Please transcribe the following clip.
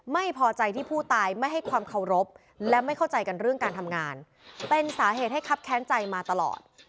ไม่พอใจที่ผู้ตายไม่ให้ความเคารพและไม่เข้าใจกันเรื่องการทำงานเป็นสาเหตุให้ครับแค้นใจมาตลอด